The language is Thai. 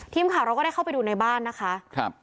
ทีมข่าวเราก็ได้เข้าไปดูในบ้านนะคะครับ